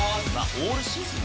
オールシーズン